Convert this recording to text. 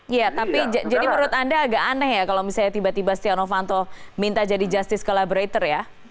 iya tapi jadi menurut anda agak aneh ya kalau misalnya tiba tiba stiano fanto minta jadi justice collaborator ya